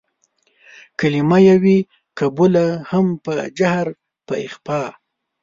کلمه يې وي قبوله هم په جهر په اخفا